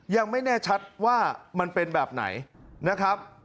ยังไม่แน่ชัดว่ามันเป็นแบบไหนนะครับ